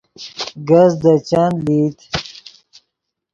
کز دے چند لئیت